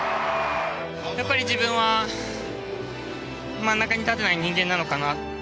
やっぱり自分は真ん中に立てない人間なのかな。